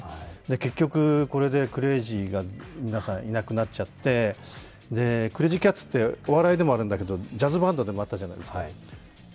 結局、これでクレイジーが皆さんいなくなっちゃってクレイジー・キャッツってお笑いでもあるんだけどジャズバンドでもあったじゃないですか。